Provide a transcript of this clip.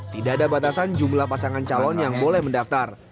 tidak ada batasan jumlah pasangan calon yang boleh mendaftar